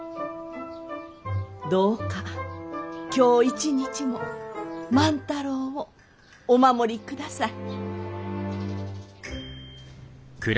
どうか今日一日も万太郎をお守りください。